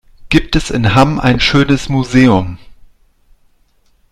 Gibt es in Hamm ein schönes Museum?